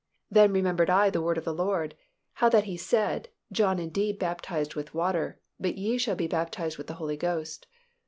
Then remembered I the word of the Lord, how that He said, John indeed baptized with water; but ye shall be baptized with the Holy Ghost.